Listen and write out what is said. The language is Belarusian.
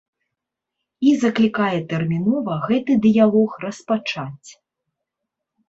І заклікае тэрмінова гэты дыялог распачаць.